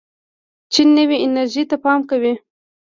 چین نوې انرژۍ ته پام کوي.